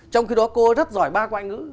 trong khi đó cô rất giỏi ba ngoại ngữ